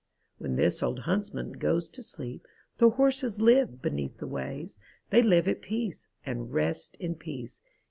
When this old huntsman goes to sleep, The horses live beneath the waves; They live at peace, and rest in peace.